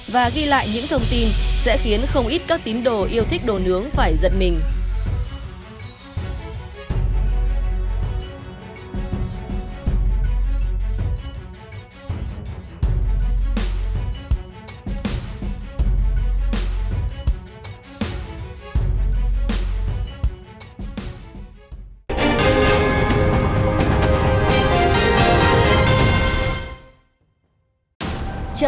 và ghi lại những thông tin sẽ khiến không ít các tín đồ yêu thích đồ nướng phải giận mình